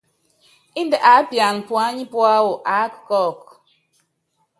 Índɛ aápiana puányi púawɔ, aáka kɔ́ɔku.